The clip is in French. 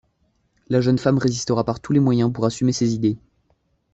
La jeune femme résistera par tous les moyens pour assumer ses idées.